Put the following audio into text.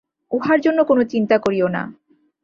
উহার জন্য কোন চিন্তা করিও না।